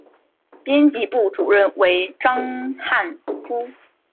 编辑部主任为章汉夫。